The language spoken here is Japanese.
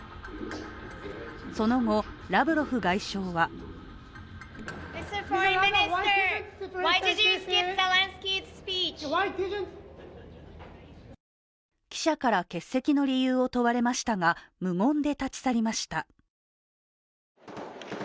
その後、ラブロフ外相は記者から欠席の理由を問われましたが無言で立ち去りました。